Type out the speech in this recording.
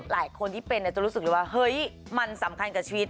หลายคนที่เป็นจะรู้สึกเลยว่าเฮ้ยมันสำคัญกับชีวิต